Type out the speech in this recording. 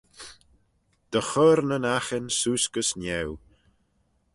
Dy chur nyn aghin seose gys niau.